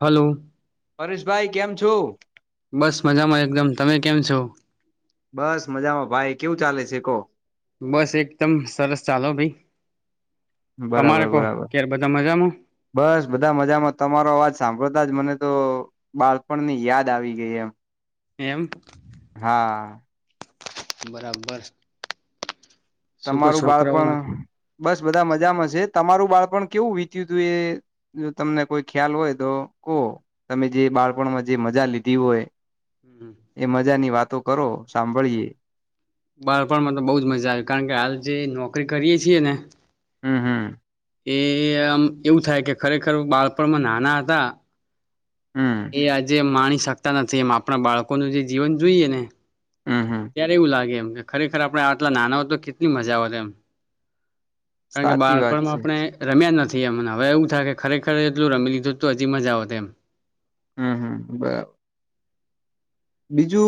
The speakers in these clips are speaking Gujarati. હલો. પરેશભાઈ કેમ છું? બસ મજામાં એકદમ તમે કેમ છો? બસ મજામાં ભાઈ કેવું ચાલે છે કો? બસ એકદમ સરસ ચાલો ભાઈ. તમારે બરાબર કહો બરાબર, ક્યારે બધા મજામાં બસ બધા મજામાં તમારો અવાજ સાંભળો કદા જ મને તો બાળપણની યાદ આવી ગઈ એમ. એમ. હા. બરાબર. શું કો તમારું છોકરાઓ બાળપણ બસ બધા મજામાં છે જ. તમારું બાળપણ કેવું વીત્યું હતું એ જો તમને કોઈ ખ્યાલ હોય તો કહો તમે જે બાળપણમાં જે મજા લીધી હોય. એ મજાની વાતો કરો સાંભળીએ. બાળપણમાં તો બહુજ મજા આવી કારણ કે હાલ જે નોકરી કરીએ છીએ ને. હમ હમ. એ આમ એવું થાય કે ખરેખર બાળપણમાં નાના હતા હમ એ આજે માણી શકતા નથી એમ આપણા બાળકોનું જે જીવન જોઈએ ને. હમ હમ ત્યારે એવું લાગે એમ કે ખરેખર આપણે આટલા નાના હો તો કેટલી મજા આવેત એમ. કારણ કે સાચી વાત બાળપણમાં છે આપણે રમ્યા નથી. મને હવે એવું થાય કે ખરેખર એટલું રમી લીધું હજી મજા આવેતી એમ. હમ હમ બરાબર.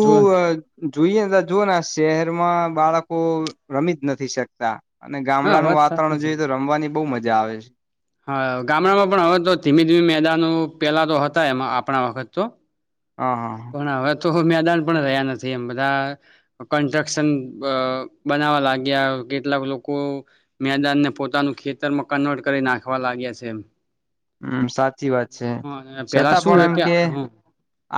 જોન જોઈએને ત જો ના શહેરમાં બાળકો રમી જ નથી શકતા. અને હા ગામડાનું વાત સાચી વાતાવરણ છે. જોઈએ તો રમવાની બહ મજા આવે છે. હા ગામડામાં પણ હવે તો ધીમે ધીમે મેદાાન પેલા તો હતા એમાં આપણા વખત તો. હા. પણ હવે તો મેદાન પણ રહ્યા નથી એમ બધા, કન્સ્ટ્રક્શન બનાવવા લાગ્યા. કેટલાક લોકો, મેદાન ને પોતાનું ખેતરમાં કન્વર્ટ કરી નાખવા લાગ્યા છે. હમ સાચી વાત છે, હ પેલા છતાં શું પણ હે એમ કે, હ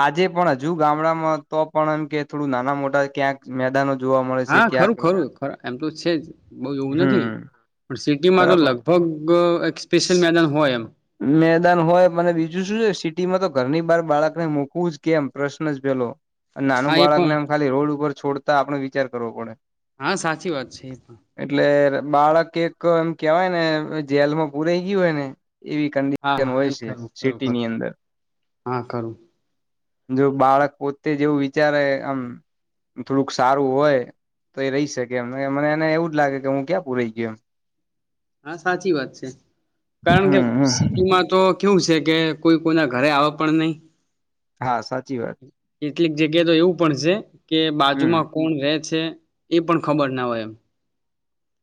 આજે પણ જ હજુ ગામડામાં તો પણ એમ કે થોડું નાના મોટા ક્યાંક મેદાનો જોવા મળે છે હા ક્યાંક ખરું ખરું ખ એમ તો છે જ બહુ એવું નથી, હમ પણ સિટી માં તો બરાબર લગભગ સ્પેશિયલ મેદાન હોય એમ. મેદાન હોય મને બીજું શું છે સિટીમાં તો ઘરની બહાર બાળકને મૂકવું જ કેમ પ્રશ્ન જ પેલો. નાનું હા એ પણ બાળકને એમ ખાલી રોડ ઉપર છોડતા આપણો વિચાર કરવો પડે. તો અછા [unintelligible] એટલે બાળક એક એમ કેવાય ને જેલમાં પુરાઈ ગયું હોય ને એવી હા કંડિશન હા એ હોય છે ખરું ખરું ખરું સિટીની અંદર. હા ખરું જો બાળક પોતે જેવું વિચારે આમ થોડુંક સારું હોય. તો એ રહી શકે એમ મને એને એવું જ લાગે કે હું ક્યાં પૂરાઈ ગયો એમ હા સાચી વાત છે કારણ કે હમ હમ સિટીમાં તો કેવું છે કે કોઈ કોઈના ઘરે આવે પણ નહી હા સાચી વાત કેટલીક જગ્યા તો એવું પણ છે કે હમ બાજુમાં કોણ રહે છે એ પણ ખબર ના હોય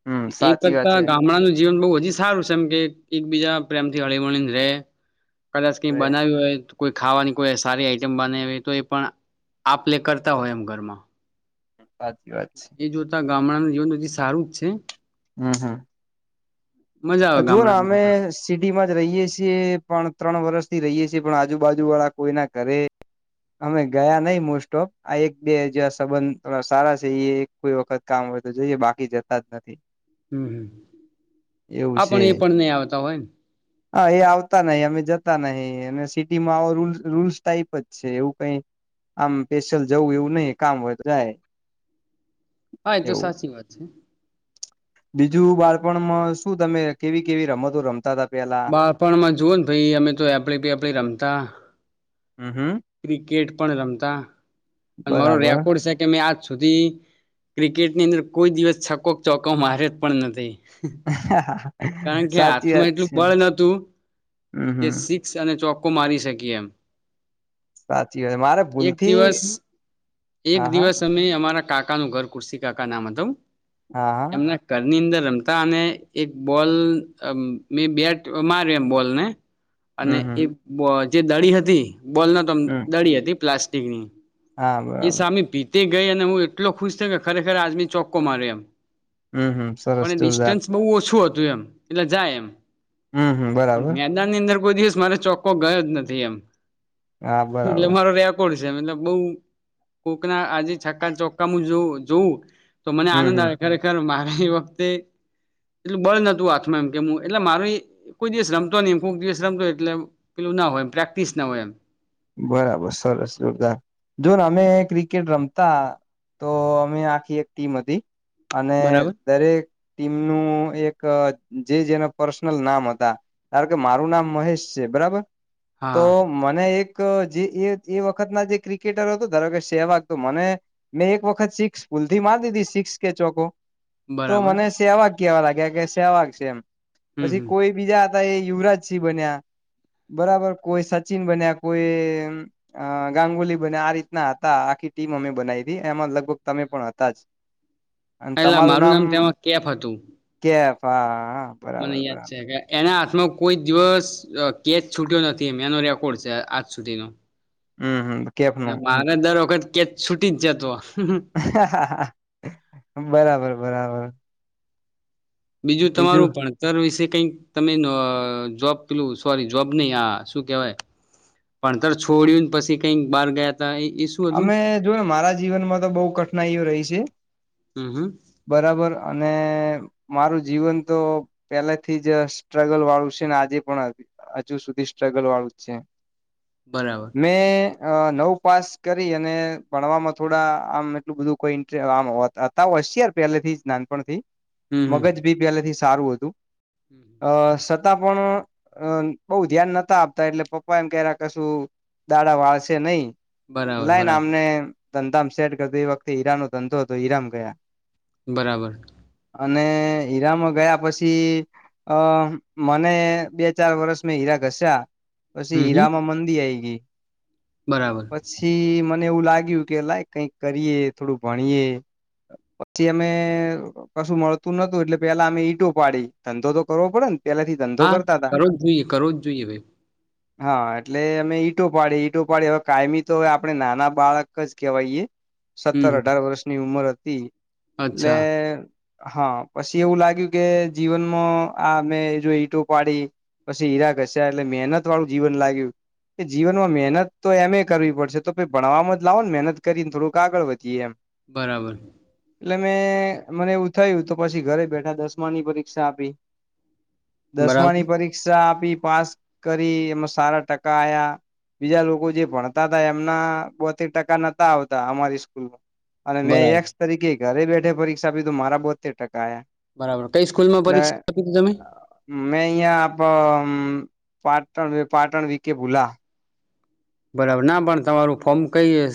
હમ એ સાચી વાત કરતા છે ગામ જીવન બહું હજી સારું છે એમ કે એકબીજા પ્રેમ થી હળીમળીને રહે કદાચ કઈ હવે બનાવ્યું હોય કોઈ ખાવાની કોઈ સારી આઈટમ બનાવી તો એ પણ આપલે કરતા હોય એમ ઘરમાં સાચી વાત છે એ જોતા ગામડાનું જીવન તો હજી સારું જ છે હમ મજા આવે જોવુઓ ને અમે ગામડામાં સિટી માં રહીએ છીએ પણ ત્રણ વર્ષ થી રહીએ છીએ પણ આજુબાજુ વાળા કોઈ ના ઘરે અમે ગયા નહી મોસ્ટ ઓફ આ એક બે જયા સંબંધ સારા છે એ કોઈ વખત કામ હોય તો જઈએ બાકી જતા જ નથી હમ હમ એવું છે આપણ એ પણ નઈ આવતા હોય ને હા એ આવતા નહી અમે જતા નહી અને સિટીમાં આવો રૂ રૂલ્સ ટાઈપ જ છે એવું કઈ આમ સ્પેશિયલ જવું એવું નહિ કામ હોય તો જાય હા એ તો એવું સાચી વાત છે બીજું બાળપણમાં શું તમે કેવી કેવી રમતો રમતા ત બાળપણમાં જુઓ ને ભાઈ અમે તો [unintelligible] રમતા હમ હમ ક્રિકેટ પણ રમતા મારો બરાબર રેકોર્ડ છે કે આજ સુધી ક્રિકેટની અંદર કોઈ દિવસ છકોક ચોકાવ મારયો જ પણ નથી હ કારણ કે સાચી હાથમાં વાત એટલું છે બળ નતું હમ કે હમ સિક્સ અને ચોક્કો મારી શકીએ એમ સાચી વાત મારે એક ભૂલથી દસ એક હા હા દિવસ અમે અમારા કાકાનું ઘર કુર્સી કાકા નામ હતું હા હા એમના ઘરની અંદર રમતા અને એક બોલ મેં બેટ માર્યો એમ બોલ ને અને હમ એ હમ બ જે દડી હતી બોલ નોતો હમ દડી હતી પ્લાસ્ટિકની હા બરાબર તે ગઈ અને હું એટલો ખુશ થયો કે ખરેખર આજમી ચોક્કો માર્યો એમ હમ હમ સરસ પણ જોરદાર ડિસ્ટન્સ બહુ ઓછું હતું એમ એટલે જાય એમ હમ હમ બરાબર ની અરદ કોઈ દિવસ મારે ચોક્કો ગયો જ નથી એમ હા એટલે બરાબર મારો રેકોર્ડ મતલબ બહું કોકના આજે છકા ચોક્ક જોવું તો મને હમ આનંદ આવે હમ ખરેખર વખતે એટલું બળ નતું હાથમાં એમ કેમું એટલે મારું કોઈ દિવસ રમ તો નહિ કોક દિવસ રમતો એટલે પેલું ના હોય એમ પ્રેક્ટિસ ના હોય એમ બરાબર સરસ જોરદાર જોને અમે ક્રિકેટ રમતા તો અમે આખી એક ટીમ હતી અને બરાબર દરેક ટીમનું એક જે જેને પર્સનલ નામ હતા કે મારું નામ મહેશ છે બરાબર તો હા મને એક જે એ વખત ના જે ક્રિકેટરો હતો ધારો કે સેવાગ તો મને મેં એક વખત સિક્સ ભૂલથી મારી દીધી સિક્સ કે ચોકો તો બરાબર મને સેવાક કેવા લાગ્યા કે સેવાક છેમ હમ પછી હમ કોઈ બીજા એ યુવરાજ સિંહ બન્યા બરાબર કોઈ સચિન બન્યા કોઈ ગાંગુલી બને આ રીતના હતા આખી ટીમ અમે બનાવી હતી એમાં લગભગ તમે પણ હતા જ અને એટલે તમારું મારું નામ તેમાં કેફ હતું કેફ હા મને બરાબર યાદ બરાબર છે એના આનો કોઈ દિવસ કેચ છૂટ્યો નથી મેનો રેકોર્ડ છે આજ સુધીનો હમ હમ કેફ અને નું મારે દર વખત કેચ છૂટી જ જતો હાહા બરાબર બરાબર બીજું તમારું ભણતર વિશે કઈક તમે જોબ પેલું સોરી જોબ નહી આ શું કેવાય ભણતર છોડ્યું ને પછી કઈક બહાર ગયા તા એ એ શું હતું અમે જોને મારા જીવનમાં તો બહુ કઠિનાઈઓ રહી છે હમ હમ બરાબર અને મારું જીવન તો પેલા થી જ સ્ટ્રગલ વાળું છે ને આજે પણ હજુ સ્ટ્રગલ વાળું છે બરાબર મે નવ પાસ કરી અને ભણવામાં થોડા આમ એટલું બધું કોઈ ઇન્ટમ હતા હશયાર પહેલેથી જ ના પણ થી હમ હમ મબજ બી પેહલેથી સારું હતું અ પણ બહુ ધ્યાન નતા આપતા એટલે પપ્પા એમ કે કશું દાડા વાળશે નહી બરાબર લઈને બરાબર અમને ધંધામા સેટ કરતી વખતે ઈરા નો ધંધો હતો ઈરામ ગયા બરાબર અને હીરામાં ગયા પછી અ મને બે ચાર વર્ષ મેં હીરા ઘસ્યા પછી હમ હમ હીરામા મંદી આઈ ગઈ બરાબર પછી મને એવું લાગ્યું કે લાય કઈક કરીએ થોડું ભણીએ પછી અમે કશું મળતું નતું એટલે પેલા અમે ઈટો પાડી ધંધો તો કરવો પડે ને પેલાથી ધંધો હા કરતા હતા કરો જ જોઈએ કરો જ જોઈએ ભાઈ હા એટલે અમે ઈટો પાડીએ ઈટો પાડીએ હવે કાયમી તોવે આપડણે નાના બાળક જ કહેવાયએ હમ સત્તર હમ અઢાર વર્ષની ઉંમર હતી એટલે અચ્છા હા પછી એવું લાગ્યું કે જીવનમાં આ મેમે જો ઈટો પાડી પછી હીરા ઘ હસ એટલે મહેનત વાળું જીવન લાગ્યું કે જીવનમાં મહેનત તો એમે કરવી પડશે તો ભણવામાં જ લાવો ને મહેનત કરી ને થોડુંક આગળ વધીએ એમ બરાબર એટલે મેં મને એવું થયું તો પછી ઘરે બેઠા દસમા ની પરીક્ષા આપી. દસમા ની બરાબર પરીક્ષા પાસ કરી એમાં સારા ટકા આ્યા બીજા લોકો જે ભ દાદા એમના બતે ટકા નતા આવતા અમારી સ્કૂલમાં અને મેં બરાબર એકસ તરીકે ઘરે બેઠ પરીક્ષા પીધું મારા બ ટક બરાબર કઈ સ્કૂલ માં પરીક્ષા આપી તું તમે? મે આપ પાટણ પાટણ વી કે ભુલા બરાબર ના પણ તમારું ફોર્મ કઈ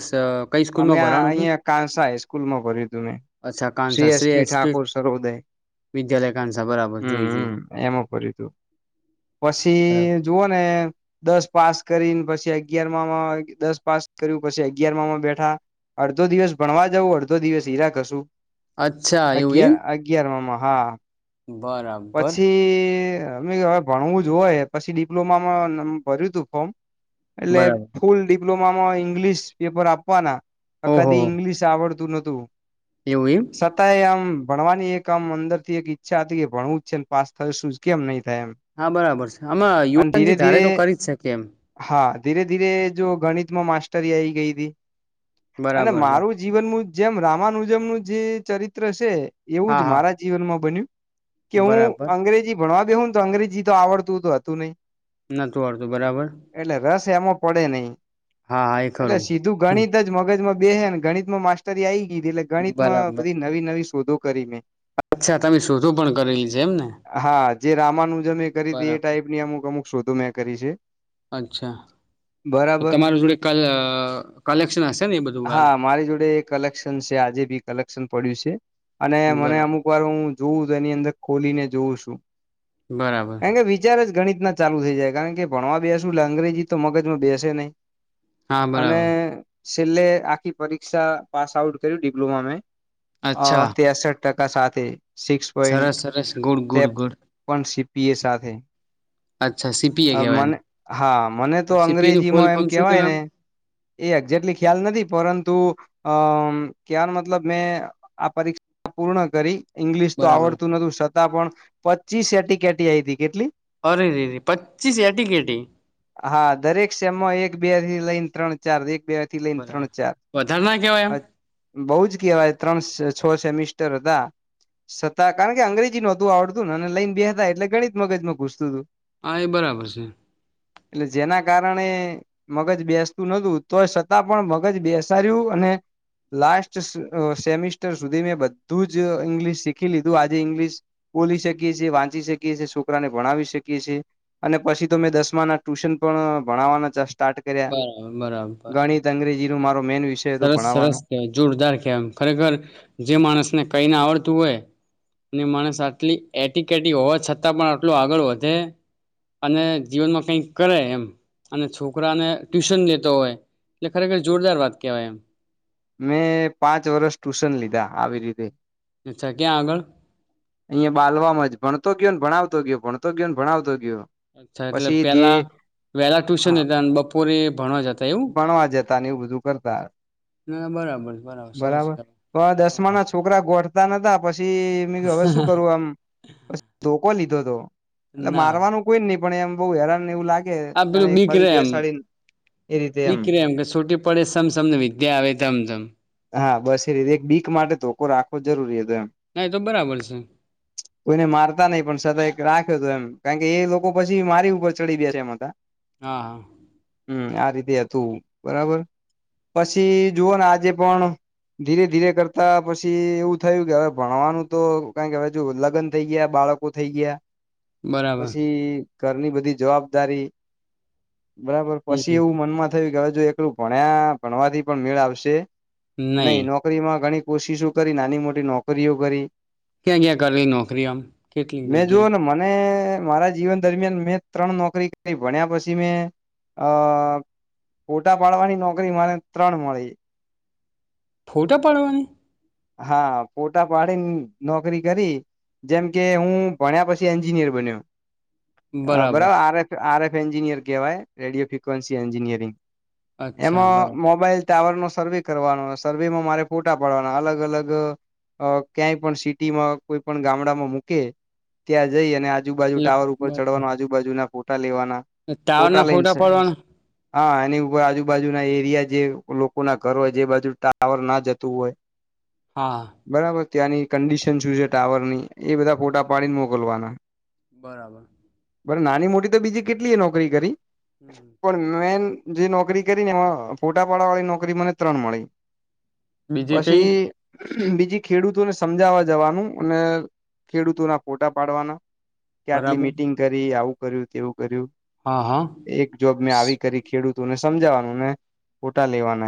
કઈ અમે સ્કૂલમાં ભરાણું હતું અહિયાં કાંસા હાઈસ્કૂલમાં ભર્યું હતું મેં અચ્છા શી કાનસા શ્રી એસપી ઠાકોુર સરોદય વિદ્યાલય કાનસા બરાબર હમ જોઈ જોઈ હમ એમ કરર્યું હતું પછી બરાબર જુઓ ને દસ પાસ કરીને પછી અગિયારમાં દસ પાસ કર્યું પછી અગિયારમાંમાં બેઠા અડધો દિવસ ભણવા જવું અડધો દિવસ હઈરાકશું અચ્છા એવું અગિયાર અગિયાર માં હા એમ બરાબર પછી અમે હવે ભણવું જ હોય પછી ડિપ્લોમામાં ભર્યું હતું ફોર્મ એટલે બરાબર ફૂલ ડિપ્લોમામાં ઈંગ્લિશ પેપર આપવાના ક ઓહો કદી ઈંગ્લિશ આવડતું નું એવું એમ સતાય આમ ભણવાની એક આમ અંદર થી એક ઈચ્છા હતી કે ભણવું જ છે પાસ થશે શું કેમ નહી થાય એમ હા બરાબર છે આમાં અને ધીરે યુવાનજી ધીરે ધારે તો કરી જ શકે એમ હા ધીરે ધીરે જો ગણિતમાં માસ્ટરી આવી ગઈ હતીી અને બરાબર બરાબર મારું જીવન મુ જેમ રામાન ઉજમનુંું જે ચરિત્ર છે એવું હા જ હા મારા જીવનમાં બન્યું. કે હું બરાબર અંગ્રેજી ભણવા દેઉં ને તો અંગ્રેજી તો આવડતું તો હતું નહીિ. નતું વાડતું બરાબર. એમ પડે નહી. હા હા એ ખું. એટલે સીધું ગણિત જ મગજમાં બે હ ને ગણિતમાં માસ્ટરી આવી ગી હતી એટલે ગણિતમાં બધી નવી નવી શોધો કરી મેં હા. હા જે રામાનુજમે કરી હતી એ બરાબર ટાઈપ ની અમુક અમુક શોધો મેં કરી છે. અચ્છા, તો બરાબર તમારા જોડે કાલ હા મારી જોડે કલેક્શન છે આજે ભી કલેક્શન પડ્યું છે. અને મને બરાબર અમુક વાર હું જોઉું તો એની અંદર ખોલીને જોઉં છું. બરાબર કારણ કે વિચાર જ ગણિત ર ચાલુ થઈ જાય કારણ કે ભણવા બેસું એટલે અંગ્રેજી તો મગજમાં બેસે નહીં. હા અને બરાબર. છેલ્લે આખી પરીક્ષા પાસ આઉટ કર્યું ડિપ્લોમા મેં અચ્છા તેસઠ ટકા સાથે સિક્સ સરસ પોઈન્ટ સરસ ગુડ ગુડ તેપ ગુડ પણ સીપીએ સાથે. અચ્છા સીપીએ કહેવાય એને મને હા મને તો સીપીએ નું ફૂલ અંગ્રેજીમાં એમ ફોર્મ શું કેવાય ને એ. એક્જેકલી ખ્યાલ નથી પરંતુ અ કવાનો મતલબ મેં આ પરીક્ષા પૂર્ણ કરી ઈંગ્લિશ તો બરાબર આવડતું નતું છતાં પણ પચીસ એટી કેટી આઈ હતી કેટલી અરે રે રે પચીસ એટીકેટી હા દરેક સેમમાં એક બેથી લન ત્રણ ચાર દ બે થી લઈને ત્રણ બરાબર ચાર વધારે ના કેવાય એમ બઉ જ કેવાય ત્રણ છ છે [inaudible] સતા કારણ કે અંગ્રેજી નોતું આવડતું ને અને લઈન બે હતા એટલે ગણિત મગજમાં ઘુસતું હતું. હા એ બરાબર છે. એટલે જેના કારણે મગજ બેસ નતું તો છતાં પણ મગજ બેસાડ્યું અને લાસ્ટ સેમિસ્ટર સુધી મેં બધું જ ઈંગ્લિશ શીખી લીધું આજે ઇંગ્લિશ બોલી શકીએ છીએ વાંચી શકીએ છીએ છોકરાને ભણાવી શકીએ છીએ અને પછી તો મેં દસમા ના ટ્યુશન પણ ભણાવવાના સ્ટાર્ટ કર્યા બરાબર બરાબર ગણિત અંગ્રેજી નું મારો મેન વિષય હતો સરસ સરસ ભણાવવાનો કવાય જોરદાર કહેવાય ખરેખર જે માણસને કઈને આવડતું હોય. અને માણસ આટલી એટી કેટી હોવા છતાં પણ આટલું આગળ વધે અને જીવનમાં કઈક કરે એમ અને છોકરાને ટ્યુશન લેતો હોય એટલે ખરેખર જોરદાર વાત કેવાય એમ મેં પાંચ વર્ષ ટ્યુશન લીધા આવી રીતે અચ્છા ક્યાં આગળ? અહિયાં બાલવાવામાં જ ભણતો ગયો ને ભણાવતો ગયો ભણતો ગયો ને ભણાવતો ગયો. અચ્છા એટલે પછી જે પેલા વહેલા ટ્યુશન હતા બપોરે ભણવા જતા એવું. તા એવું બધું કરતા. ના બરાબર સરસ બરાબર કર તો દસમા હા ના છોકરા ગોઠતા ન. પછી મે હવે શું હા કરું આમ ધોકો લીધો હતો એટલે ના મારવાનું કોઈ નહી પણ એમ બહુ હેરાનને એવું લાગેને એક બાજુ બેસાડીને એ રીતે દીકરી એમ કે છૂટી પડે સમ સમને વિદ્યા આવે તેમમ તમ. હા બસ એ રીતે એક બીક માટે ધોકોો રાખવો જરૂરી હતો એમ ના એ તો બરાબર છે કોઈને મારતા નહી પણ સદ એક રાખ્યો હતોું એમ કારણ કે એ લોકો પછી મારી ઉપર ચડી ગયા છે એમાં હતા હા હા હમ આ રીતે હતું બરાબર. પછી જુઓને આજે પણ ધીરે ધીરે કરતા પછી એવું થયું કે હવે ભણવાનું તો કારણ કે હજુ લગ્ન થઈ ગયા બાળકો થઈ ગયા બરાબર પછી ઘરની બધી જવાબદારી બરાબર હમ પછી હમ એવું મનમાં થયુ કે હવે જો એકલું ભણ્યા ભણવાથી પણ મેળ આવશે નહી નોકરીમાં ગણી કોશિશો કરી નાની મોટી નોકરીઓ કરી. ક્યાં ક્યાં કરલી નોકરી આમ કેટલી મેં જોુઓ જગ્યાએ ને મને મારા જીવન દરમિયાન મેં ત્રણ નોકરી કરી ભણ્યા પછી મેં અ ફોટા પાડવાની નોકરી મને ત્રણ મળી. ફોટા પાડવાની હા ફોટા પાડીન નોકરી કરી જેમ કે હું ભણ્યા પછી એન્જિનિયર બન્યો. બરાબર R F R F engineer કેહેવાય રેડિયો ફ્રિકવન્સી એન્જિનિયરિંગ. અચ્છા બરાબર એમાં મોબાઈલ ટાવર નો સર્વે કરવાનો સર્વેમાં મારે ફોટા પાડવાના. અલગ અલગ અ ક્યાંય પણ સિટીમાં કોઈ પણ ગામડામાં મૂકે ત્યાં જઈ અને આજુબાજુ એટલે ટાવર ઉપર બરાબર ચડવાનું આજુબજુ ના ફોટા લેવાનું. ટાવર ના કોટાલેન ફોટા છે. પાડવાના હા એની ઉપર આજુબાજુના એરિયા જે લોકો ના ઘર હોય જે બાજુ ટાવર ના જતું હોય. હા. બરાબર ત્યાંની કંડિશન શું છે ટાવર ની એ બધા ફોટા પાડીને મોકલવાના. બરાબર. પણ નાની મોટી તો બીજી કેટલી એ નોકરી કરી. પણ મેન જે નોકરી કરી ને એમાં ફોટા પાડા વાળી નોકરી મને ત્રણ મળી. બીજી કઈ પછી બીજી ખેડૂતોને સમજાવા જવાનું અને ખેડૂતોના ફોટા પાડવાના. કે આટલી બરાબર મીટિંગ કરી આવું કર્યું તેવું કર્યું હા હા એક જોબ મેં આવી કરી ખેડૂ તુંને સમજાવાનું ને ફોટા લેવાના.